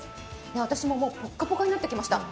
私ももうポッカポカになってきました。